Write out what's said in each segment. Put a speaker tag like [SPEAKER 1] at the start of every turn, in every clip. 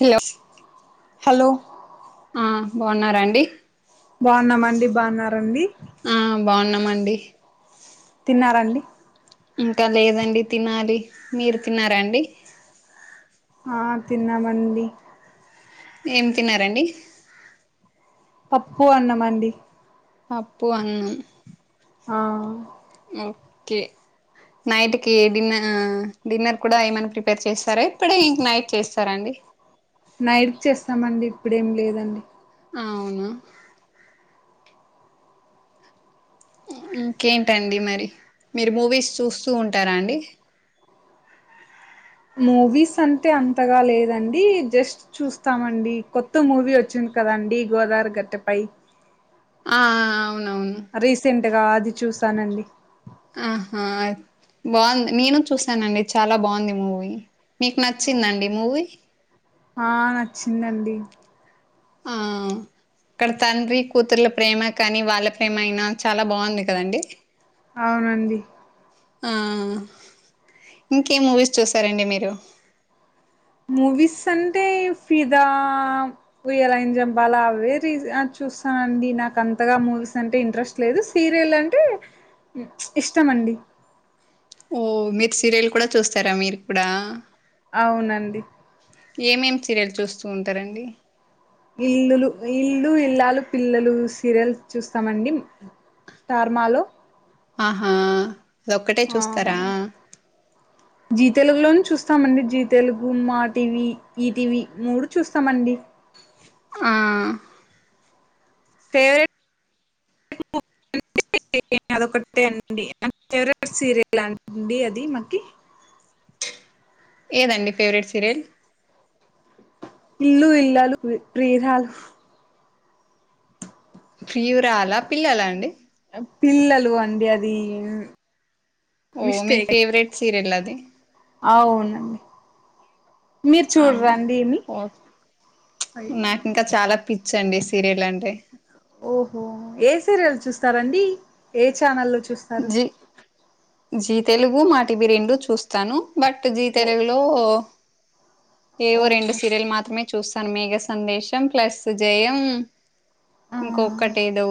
[SPEAKER 1] hello
[SPEAKER 2] hello
[SPEAKER 1] ఆ బాగున్నారాండి
[SPEAKER 2] బాగున్నామండి బాగున్నారండి
[SPEAKER 1] ఆ బాగున్నామండి
[SPEAKER 2] తిన్నారండి
[SPEAKER 1] ఇంకా లేదండి తినాలి మీరు తిన్నారాండి
[SPEAKER 2] ఆ తిన్నామండి
[SPEAKER 1] ఏం తిన్నారండి
[SPEAKER 2] పప్పు అన్నా మండి
[SPEAKER 1] పప్పు అన్నం
[SPEAKER 2] ఆ
[SPEAKER 1] ఓకే నైట్ కి డిన్నర్ డిన్నర్ కూడా ఏమైనా ప్రిపేర్ చేస్తారా ఇప్పుడే ఇం నైట్ చేస్తారా అండి
[SPEAKER 2] నైట్ చేస్తామండి ఇప్పుడేం లేదండి
[SPEAKER 1] ఆవున ఇంకేంటండి మరి మీరు మూవీస్ చూస్తూ ఉంటారా అండి
[SPEAKER 2] మూవీస్ అంటే అంతగా లేదండి జస్ట్ చూస్తామండి కొత్త మూవీ వచ్చింది కదాండి గోదవరి గట్టుపై
[SPEAKER 1] ఆ అవునవును
[SPEAKER 2] రీసెంట్గా అది చూసానండి
[SPEAKER 1] ఆహా బాగుంది నేను చూసానండి చాలా బాగుంది మూవీ మీకు నచ్చిందండి
[SPEAKER 2] అవును
[SPEAKER 1] మూవీ
[SPEAKER 2] ఆ నచ్చిందండి
[SPEAKER 1] ఆ అక్కడ తండ్రి కూతురుల ప్రేమ కాని వాళ్ళ ప్రేమ అయినా చాలా బాగుంది కదండి
[SPEAKER 2] అవునండి
[SPEAKER 1] ఆ ఇంకే మూవీస్ చూసారండి మీరు
[SPEAKER 2] మూవీస్ అంటే ఫిదా ఊయలన్ జంపల్ల వేరీజ చూస్తానండి నాకు అంతగా మూవీస్ అంటే ఇంట్రెస్ట్ లేదు సీరియల్ అంటే ఉ ఇష్టమ అండి
[SPEAKER 1] ఓ మీరు సీరియల్ కూడా చూస్తారా మీరు కూడా
[SPEAKER 2] అవునండి
[SPEAKER 1] ఏమేమి సీరియల్ చూస్తూ ఉంటారండి
[SPEAKER 2] ఇల్లులు ఇల్లు ఇల్లాలు పిల్లలు సీరియల్ చూస్తామండి స్టార్ మాలో
[SPEAKER 1] ఆహా అదొక్కటే
[SPEAKER 2] ఆ
[SPEAKER 1] చూస్తారా
[SPEAKER 2] జీ తెలుగులోను చూస్తామండి Zee Telugu Maa TV E TV మూడు చూస్తామండి
[SPEAKER 1] ఆ
[SPEAKER 2] ఫేవరె [inaudible] ట్
[SPEAKER 1] [inaudible]
[SPEAKER 2] [unintelligible] అదొకటే అండి ఫేవరెట్ సీరియల్ అండి అది మకి
[SPEAKER 1] ఏదండి ఫేవరెట్ సీరియల్
[SPEAKER 2] ఇల్లు ఇల్లలు పి ప్రియురాలు
[SPEAKER 1] ప్రియురాలా పిల్లలా అండి
[SPEAKER 2] పిల్లలు అండి అది
[SPEAKER 1] ఓ మీ
[SPEAKER 2] మిస్టేక్
[SPEAKER 1] ఫేవరెట్ సీరియల్ అది
[SPEAKER 2] అవునండి మీరు
[SPEAKER 1] ఆ,
[SPEAKER 2] చూడ్రాండి ఏమి
[SPEAKER 1] ఓ నాకు ఇంకా చాలా పిచ్చి అండి సీరియల్ అంటే
[SPEAKER 2] ఓహో ఏ సీరియల్ చూస్తారండి ఏ చానల్లో చూ
[SPEAKER 1] జి జీ తెలుగు మా టిబీ రెండు చూ స్తాను బట్ జీ
[SPEAKER 2] ఓ
[SPEAKER 1] తెలుగులో ఏవో
[SPEAKER 2] ఓహో
[SPEAKER 1] రెండు సీరియల్ మాత్రమే చూస్తాను మేఘ సందేశం ప్లస్ జయం
[SPEAKER 2] ఆ
[SPEAKER 1] ఇంకొకటి ఏదో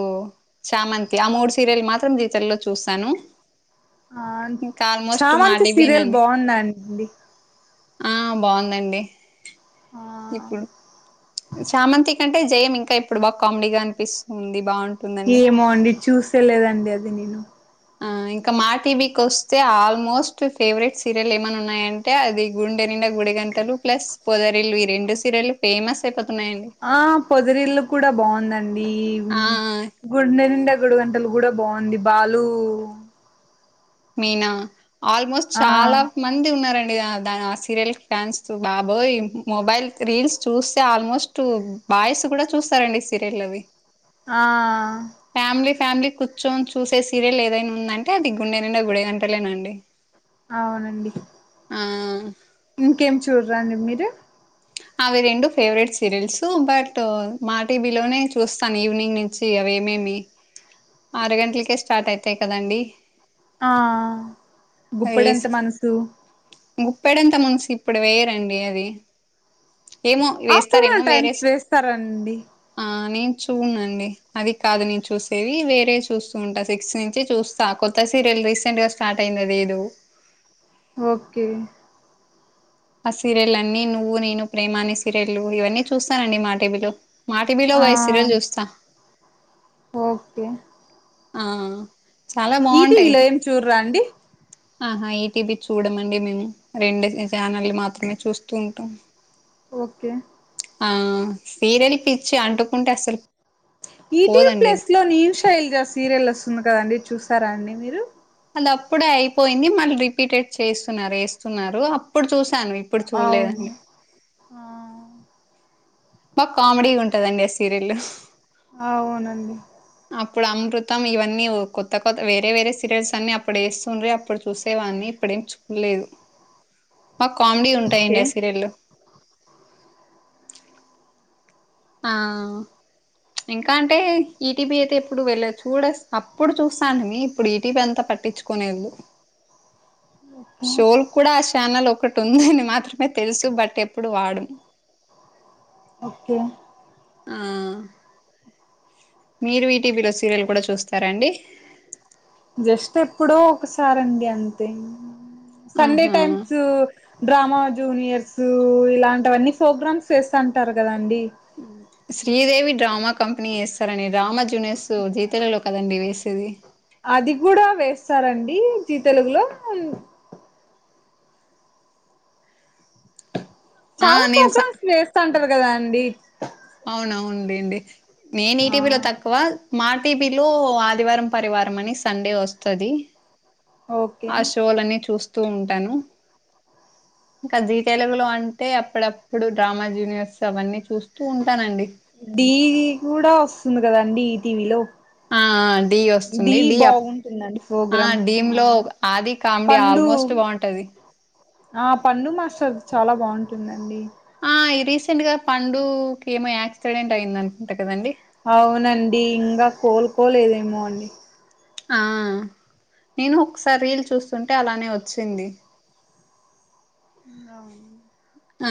[SPEAKER 1] చామంతి ఆ మూడు సీరియల్ మాత్రం జీ తెలుగులో చూస్తాను
[SPEAKER 2] ఆ
[SPEAKER 1] ఇంకా ఆల్మోస్ట్ మా
[SPEAKER 2] చామంతి
[SPEAKER 1] టీవీ
[SPEAKER 2] సీరియల్
[SPEAKER 1] నండి
[SPEAKER 2] బాగుంది అండి
[SPEAKER 1] ఆ బాగుందండి
[SPEAKER 2] ఆ
[SPEAKER 1] ఇప్పుడు చామంతి కంటే జయం ఇంకా ఇప్పుడు బాగా కామెడీగా అనిపిస్తుంది బాగుం
[SPEAKER 2] ఏమో అండి చూసేలేదండి అది నేను
[SPEAKER 1] ఆ ఇంకా మా టీవీకి వస్తే ఆల్మోస్ట్ ఫేవరెట్ సీరియల్ ఏమన్నా ఉన్నాయం టే అది గుండె నిండా గుడి గంటలు ప్లస్ పొదరిల్లు ఈ రెండు సీరియలు ఫేమస్ అయిపోతున్నాయి అండి
[SPEAKER 2] ఆ పొదరిల్లు కూడా బాగుందండి
[SPEAKER 1] ఆ
[SPEAKER 2] గుండె నిండా గుడి గం టలు కూడా బాగుంది బాలు
[SPEAKER 1] మీనా ఆల్మోస్ట్
[SPEAKER 2] ఆ
[SPEAKER 1] చాలా మంది ఉన్నారండి ఆ దాన ఆ సీరియల్‌కి ఫ్యాన్స్ బాబోయ్ మొబైల్ రీల్స్ చూస్తే ఆల్మో స్ట్ బాయ్స్ కూడా చూస్తారండి సీరియల్లు అవి
[SPEAKER 2] ఆ
[SPEAKER 1] ఫ్యామిలీ ఫ్యామిలీ కూర్చొని చూసే సీరియల్ ఏదైనా ఉందంటే అది గుండె నిండా గుడి గంటలేనండి
[SPEAKER 2] అవునండి
[SPEAKER 1] ఆ
[SPEAKER 2] ఇంకేం చూడ్రాండి మీరు
[SPEAKER 1] అవి రెండు ఫేవరెట్ సీరియల్స్ బట్ మా టీవీలోనే చూస్తాను ఈవినింగ్ నుం చి అవేమేమి ఆరు గంటలకే స్టార్ట్ అయితాయి కదండి
[SPEAKER 2] ఆ
[SPEAKER 1] అది
[SPEAKER 2] గుప్పెడంత మనసు
[SPEAKER 1] గుప్పెడంత మనసు ఇప్పుడు వేయరండి అది ఏమో వేస్తారేమో
[SPEAKER 2] ఆఫ్టర్నూన్
[SPEAKER 1] వేరే
[SPEAKER 2] టైమ్స్ వేస్తారండి
[SPEAKER 1] ఆ నేను చూడండీ అది కాదు నేను చూసేది వేరే చూస్తూ ఉంటా సిక్స్ నుంచి చూస్త స్త కొత్త సీరియల్ రీసెంట్ గా స్టార్ట్ అయింది అదేదో
[SPEAKER 2] ఓకే
[SPEAKER 1] ఆ సీరియల్లు అన్ని నువ్వు నేను ప్రేమా ఆని సీరియల్లు ఇవన్నీ చూస్తానండి మా టీవీ లో మా టీవీ లో
[SPEAKER 2] ఆ
[SPEAKER 1] ఈ సీరియల్ చూస్తా
[SPEAKER 2] ఓకే
[SPEAKER 1] ఆ చాలా బాగుంటాయి
[SPEAKER 2] ఈటీవీలో ఏం చూడరా అండి
[SPEAKER 1] ఆహా ఈటీవీ చూడమండి మేము రెండు ఛానల్లు మాత్రమే చూస్తూ ఉంటాం
[SPEAKER 2] ఓకే
[SPEAKER 1] ఆ సీరియల్ పిచ్చి అంటుకుంటే అసలు
[SPEAKER 2] ఈటీవీ
[SPEAKER 1] పోదండి
[SPEAKER 2] ప్లస్
[SPEAKER 1] అది
[SPEAKER 2] లో నేను శైలజ సీరియల్ వస్తుంది కదండి చూసారా అండి మీరు
[SPEAKER 1] అది అప్పుడే అయిపోయింది మళ్ళీ రిపీటెడ్ చేస్తున్నారు వేస్తున్నారు అప్పుడు చూసాను ఇప్పుడు
[SPEAKER 2] అవును
[SPEAKER 1] చూడలేదండి బా కామెడీగా ఉంటదండి ఆ సీరియల్
[SPEAKER 2] అవునండి
[SPEAKER 1] అప్పుడు అమృతం ఇవన్నీ కొత్త కొత్త వేరే వేరే సీరియల్స్ అన్ని అప్పుడు వేస్తుండే అప్పుడు చూసేవాడ్ని ఇప్పుడు ఏమి చూడలేదు బా కామెడీ ఉంటాయండి
[SPEAKER 2] ఓకే
[SPEAKER 1] ఆ సీరియల్ లు ఆ ఇంకా అంటే ఈటీబి అయితే ఎప్పుడు వెళ్ళదు చూడ అప్పుడు చూస్తాను లే ఇప్పుడు ఇటీవి అంతా పట్టించుకులేదు షోల్ కూడా ఛానల్ ఒకటి ఉందని మాత్రమే తెలుసు బట్ ఎప్పుడు వాడం
[SPEAKER 2] ఓకే
[SPEAKER 1] ఆ మీరు ఈ టీవీ లో సీరియల్ కూడా చూస్తారా అండి
[SPEAKER 2] జస్ట్ ఎప్పుడో ఒకసారండి అంతే సండే
[SPEAKER 1] ఆహా
[SPEAKER 2] టైమ్స్ డ్రామా జూనియర్స్ ఇలాంటివన్నీ ప్రోగ్రామ్స్ చేస్తుంటారు కదాండి
[SPEAKER 1] శ్రీదేవి డ్రామా కంపెనీ వేస్తారండి డ్రామా జు జూనియర్స్ జీ తెలుగులో కదండి వేసేది
[SPEAKER 2] అది కూడా వేస్తారండి జి తెలుగులో
[SPEAKER 1] ఆ
[SPEAKER 2] చాలా
[SPEAKER 1] నేను స
[SPEAKER 2] ప్రోగ్రామ్స్ వేస్తుంటారు కదా అండి
[SPEAKER 1] అవునవును లెండి నేను
[SPEAKER 2] ఆ
[SPEAKER 1] ఈటీవలో తక్కువ మా టీవీ లో ఆదివారం పరివారం అని సండే వస్తది
[SPEAKER 2] ఓకే
[SPEAKER 1] ఆ షోలన్నీ చూస్తూ ఉంటాను ఇంకా జీ తెలుగులో అంటే అప్పుడప్పుడు డ్రామా జూనియర్స్ అవన్నీ చూస్తూ ఉంటానండి
[SPEAKER 2] ఢి కూడా వస్తుంది కదాండి ఈ టీవీలో
[SPEAKER 1] ఆ ఢి వస్తుంది డిప్
[SPEAKER 2] బాగుంటుందండి
[SPEAKER 1] ఆ
[SPEAKER 2] ప్రోగ్రాం
[SPEAKER 1] ఢి
[SPEAKER 2] ఆ
[SPEAKER 1] లో ఆది కామెడీ
[SPEAKER 2] పండు
[SPEAKER 1] ఆల్మోస్ట్ బాగుంటది
[SPEAKER 2] ఆ పండు మాస్టర్ చాలా బాగుంటుందండి
[SPEAKER 1] ఆ రీసెంట్ గా పండుకి ఏమో యాక్సిడెంట్ అయింది అనుకుంటా కదండి
[SPEAKER 2] అవునండి ఇంకా కోలుకోలేదేమో అండి
[SPEAKER 1] ఆ నేను ఒకసారి రీల్ చూస్తుంటే అలానే వచ్చింది
[SPEAKER 2] అవును
[SPEAKER 1] ఆ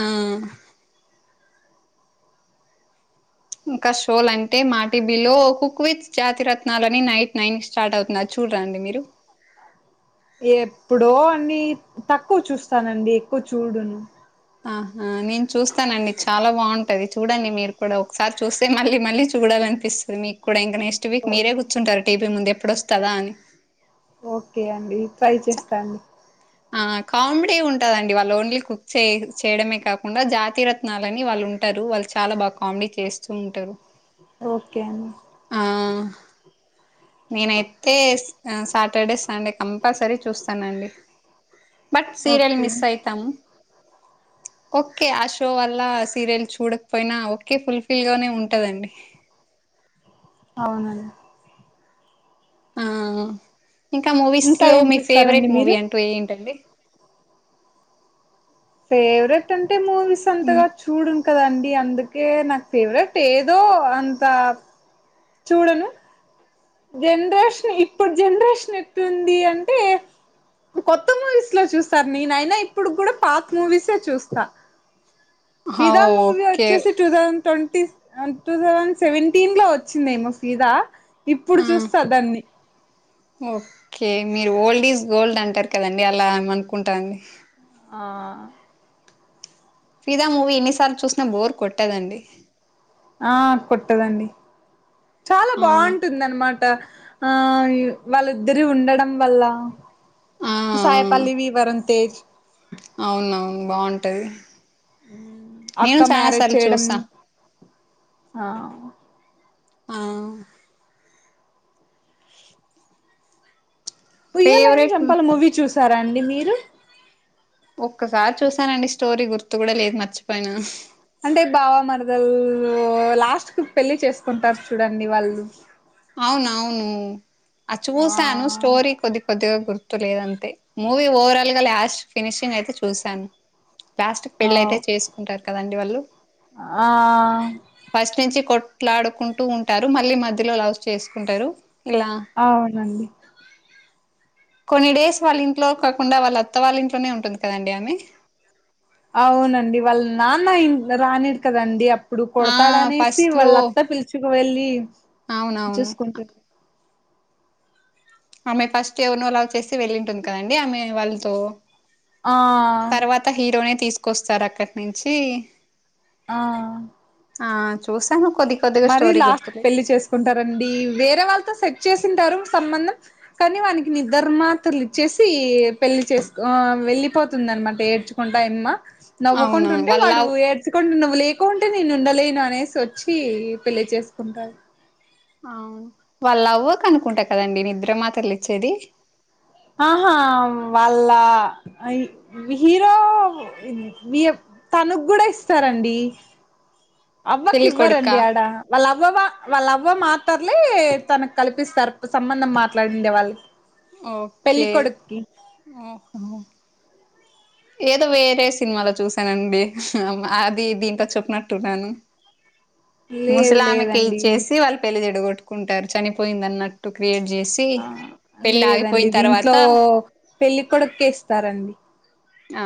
[SPEAKER 1] ఇంకా షోలు అంటే మా టివి లో హుక్ విత్ జాతిరత్నలని నైట్ నైన్ స్టార్ట్ అవుతున్నారు అది చూడరాండి మీరు
[SPEAKER 2] ఎప్పుడో అన్ని తక్కువ చూస్తానండి ఎక్కువ చూడను
[SPEAKER 1] ఆహ నేను చూస్తానండి చాలా బాగుంటది చూడండి మీరు కూడా ఒకసారి చూస్తే మళ్ళీ మళ్ళీ చూడాలని పిస్తుంది మీకు కూడా ఇంకా నెక్స్ట్ వీక్ మీరే కూర్చుంటారు టీవీ ముందు ఎప్పుడు వస్తదా అని
[SPEAKER 2] ఓకే అండి ట్రై చేస్తన్
[SPEAKER 1] ఆ కామెడీ ఉంటదండి వాళ్ళు ఓన్లీ కుక్ చే చేయడమే కాకుండా జాతిరత్ త్నాలని వాళ్ళు ఉంటారు వాళ్ళు చాలా బాగా కామెడీ చేస్తూ ఉంటారు
[SPEAKER 2] ఓకే అండి
[SPEAKER 1] ఆ నేనైతే ఆ సాటర్డే సండే కంపల్సరీ చూస్తానండి బట్ సీరియల్
[SPEAKER 2] ఓకే
[SPEAKER 1] మిస్ అయితాము ఓకే ఆ షో వల్ల సీరియల్ చూడకపోయినా ఓకే ఫుల్ఫిల్ గానే ఉంటదండి
[SPEAKER 2] అవునండి
[SPEAKER 1] ఆ ఇంకా మూవీస్
[SPEAKER 2] ఇంకా
[SPEAKER 1] లో
[SPEAKER 2] ఏం
[SPEAKER 1] మీ
[SPEAKER 2] చూస్తారండి
[SPEAKER 1] ఫేవరెట్
[SPEAKER 2] మీరు
[SPEAKER 1] మూవీ అంటూ ఏంటండి
[SPEAKER 2] ఫేవరెట్ అంటే మూవీస్ అంతగా చూడును కదండి అందుకే నాకు ఫేవరెట్ ఏదో అంత చూడను జనరేషన్ ఇప్పుడు జనరేషన్ ఎట్లుంది అంటే కొత్త మూవీస్ లో చూస్తారు నేనైనా ఇప్పుడు కూడా పాక్ మూవీసే చూస్తా
[SPEAKER 1] హా
[SPEAKER 2] విదాన్ మూవీ
[SPEAKER 1] ఓకే
[SPEAKER 2] వచ్చేసి టుదాం ట్వంటీ టూ థౌసండ్ సెవెంటీన్లో వచ్చిందేమో ఫీదా ఇప్పుడు
[SPEAKER 1] ఆ
[SPEAKER 2] చూస్తా దాన్ని
[SPEAKER 1] ఓకే మీరు ఓల్డ్ ఈజ్ గోల్డ్ అంటారు కదండి అలా ఎం అనుకుంటా అండి
[SPEAKER 2] ఆ
[SPEAKER 1] ఫిదా మూవీ ఎన్నిసార్లు చూసినా బోర్ కొట్టదండి
[SPEAKER 2] ఆ కొట్టదండి చాలా
[SPEAKER 1] ఆ
[SPEAKER 2] బాగుంటుందన్నమాట ఆ య్ వాళ్ళిద్దరే ఉండడం వల్ల
[SPEAKER 1] ఆ
[SPEAKER 2] సాయిపల్లవి వరుణ్ తేజ్
[SPEAKER 1] అవున అవును బాగుంటది నేను
[SPEAKER 2] అక్క
[SPEAKER 1] చాలా
[SPEAKER 2] మ్యారేజ్
[SPEAKER 1] సార్లు
[SPEAKER 2] చేయడం
[SPEAKER 1] చూసా
[SPEAKER 2] ఆ
[SPEAKER 1] ఆ
[SPEAKER 2] ఉయ్యలైన
[SPEAKER 1] ఫేవరెట్
[SPEAKER 2] చంపలైన మూవీ చూసారా అండి మీరు
[SPEAKER 1] ఒక్కసారి చూశానండి స్టోరీ గుర్తు కూడా లేదు మర్చిపోయినా
[SPEAKER 2] అంటే బావా మరదలు లాస్ట్ కు పెళ్లి చేసుకుంటారు చూడండి వాళ్ళు
[SPEAKER 1] అవునవును ఆ చూసాను
[SPEAKER 2] ఆ
[SPEAKER 1] స్టోరీ కొద్ది కొద్దిగా గుర్తు లేదంతే మూవీ ఓవరాల్ గా లాస్ట్ ఫినిషింగ్ అయితే చూశాను ప్లాస్టిక్ పెళ్ళయితే
[SPEAKER 2] అవ్
[SPEAKER 1] చేసుకుంటారు కదండి వాళ్ళు
[SPEAKER 2] ఆ
[SPEAKER 1] ఫస్ట్ నుంచి కొట్లాడుకుంటూ ఉంటారు మళ్ళీ మధ్యలో లవ్ చేసుకుంటారు లా
[SPEAKER 2] అవునండి
[SPEAKER 1] కొన్ని డేస్ వాళ్ళ ఇంట్లో కాకుండా వాళ్ళ అత్త వాళ్ళ ఇంట్లోనే ఉంటుంది కదండి ఆమె
[SPEAKER 2] అవునండి వాళ్ళు నాన్న ఇన్ రానిడు కదండి ప్పుడు
[SPEAKER 1] ఆ
[SPEAKER 2] కొడుతాడనేసి
[SPEAKER 1] ఫస్ట్ లో
[SPEAKER 2] వాళ్ళత్తా పిలుచుకు వెళ్ళి
[SPEAKER 1] అవునవును
[SPEAKER 2] చూసుకుంటుంది
[SPEAKER 1] ఆమె ఫస్ట్ ఎవరినో లవ్ చేసింటే వెళ్ళి ఉంటుంది కదండి ఆమె వాళ్ళతో
[SPEAKER 2] ఆ
[SPEAKER 1] అ హీరోనే తీసుకొస్తారు అక్కడి నుంచి
[SPEAKER 2] ఆ
[SPEAKER 1] ఆ చూసాను కొది కొద్గా స్టోరి గుర్తులేదు
[SPEAKER 2] కుంటారండి వేరే వాళ్ళతో సెట్ చేసింటారు సంబంధం కానీ వానికి నిద్ర మాత్రలు ఇచ్చేసి పెళ్ళి చేసుకో ఆ వెళ్లిపోతుంది అన్నమాట ఏడ్చు ంటాయమ్మా
[SPEAKER 1] అవునవును
[SPEAKER 2] నవ్వుకుంటుంటే
[SPEAKER 1] వాళ్ళ
[SPEAKER 2] వాడు
[SPEAKER 1] లవ్
[SPEAKER 2] ఎ సుకంటే నువ్వు లేకుంటే నేను ఉండలేను అనేసి వచ్చి పెళ్లి చేసుకుంటాారు
[SPEAKER 1] అవును వాళ్ళు అవ్వ కనుకుంటా కదండి నిద్ర మాత్రలిచ్చేది
[SPEAKER 2] ఆహా వాళ్ళ ఐ హీరో ఇయ తనుకూడా ఇస్తారండి అవ్వకి
[SPEAKER 1] పెళ్లి కొడుకా
[SPEAKER 2] ఇవ్వరండి ఆడా వాళ్ళ అవ్వ వా వాళ్ళ అవ్వ మాతర్లే తనకు కల్పిస్తారు సంబంధం మాట్లాడిండే వాళ్ళు
[SPEAKER 1] ఓకేఓహ ఏదో వేరే సినిమాలో చూసానండి అది దీంటో చెప్పినట్టున్నాను
[SPEAKER 2] లేదు
[SPEAKER 1] ముసలామెకే
[SPEAKER 2] లేదండి
[SPEAKER 1] ఇచ్చేసి వాళ్ళు పెళ్లి చెడగొట్టుకుంటారు చనిపోయిందన్నట్ టు క్రియేట్ జేసి
[SPEAKER 2] ఆ
[SPEAKER 1] పెళ్లి ఆగిపోయిన్ తర్వాత
[SPEAKER 2] పెళ్ళికొడుక్కేస్తారండి
[SPEAKER 1] ఆ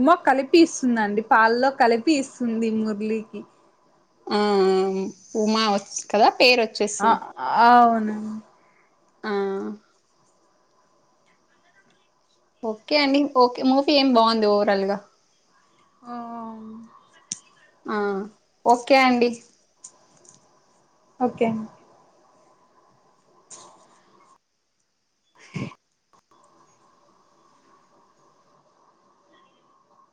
[SPEAKER 2] ఉమ కలిపి ఇస్తుందండి పాల్లో కలిపి ఇస్తుంది మురిళికి
[SPEAKER 1] ఉ ఉ ఉమా ఒచ్ కదా పేరు ఒచ్
[SPEAKER 2] అ ఆవును
[SPEAKER 1] ఆ ఓకే అండి ఓకే మూఫీ ఏం బావుంది ఓవరాల్ గా
[SPEAKER 2] ఆ
[SPEAKER 1] ఆ ఓకే అండి
[SPEAKER 2] ఓకే అండ్ బ్లాంక్ బ్లాంక్